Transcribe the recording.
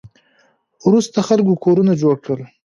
وروسته خلکو کورونه جوړ کړل